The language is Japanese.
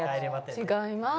違います。